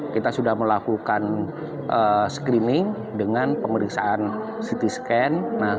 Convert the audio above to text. kita sudah melakukan screening dengan pemeriksaan ct scan